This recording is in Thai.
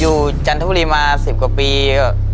จันทบุรีมา๑๐กว่าปี